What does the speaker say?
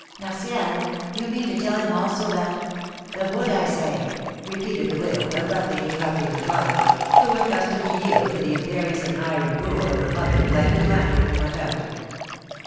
"Martial! Do you mean to tell him also that " "The wood, I say!" repeated the widow, abruptly interrupting her daughter, who, accustomed to yield to the imperious and iron rule of her mother, lighted a lantern, and went out.